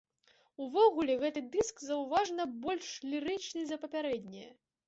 Увогуле гэты дыск заўважна больш лірычны за папярэднія.